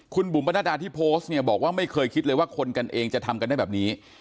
คุณบุ๋มปนัดดาที่โพสต์เนี่ยบอกว่าไม่เคยคิดเลยว่าคนกันเองจะทำกันได้แบบนี้